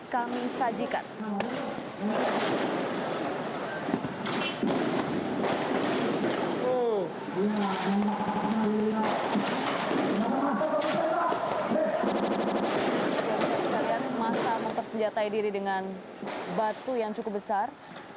kami sajikan masa mempersenjatai diri dengan batu yang cukup besar